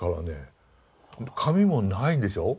紙もないでしょ。